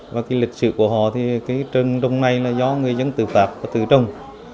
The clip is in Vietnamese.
và lịch sử của họ trường rừng này do người dân tự phạt và tự trồng